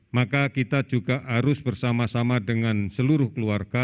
maka kita juga harus bersama sama dengan seluruh keluarga